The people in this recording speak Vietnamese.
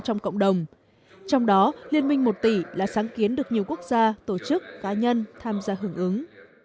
trong cộng đồng trong đó liên minh một tỷ là sáng kiến được nhiều quốc gia tổ chức cá nhân tham gia hưởng ứng